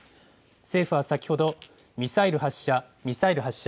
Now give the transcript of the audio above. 政府は先ほど、ミサイル発射、ミサイル発射。